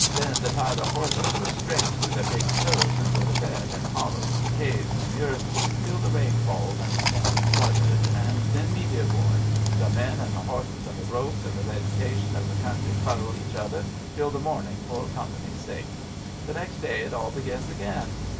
Then they tie their horses with strings to their big toes and go to bed in hollows and caves in the earth till the rain falls and the tents are flooded, and then, me dear boy, the men and the horses and the ropes and the vegetation of the country cuddle each other till the morning for company's sake. The next day it all begins again.